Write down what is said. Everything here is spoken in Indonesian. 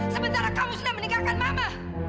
sementara kamu sudah meninggalkan mama